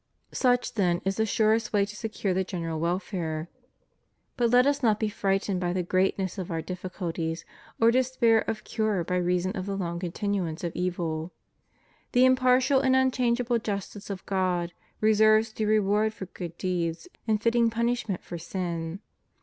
Such, then, is the surest way to secure the general wel fare. But let us not be frightened by the greatness of our difficulties, or despair of cure by reason of the long continuance of evil. The impartial and unchangeable justice of God reserves due reward for good deeds and fitting punishment for sin.